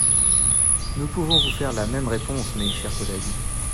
Nous pouvons vous faire la même réponse, mes chers collègues.